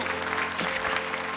いつか。